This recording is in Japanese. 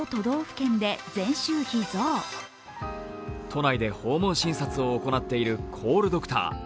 都内で訪問診察を行っているコールドクター。